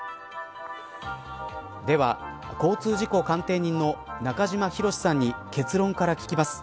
では、交通事故鑑定人の中島博史さんに結論から聞きます。